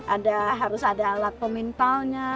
ada harus ada alat pemintalnya